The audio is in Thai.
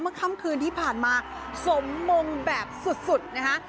ค่ำคืนที่ผ่านมาสมมงแบบสุดนะคะ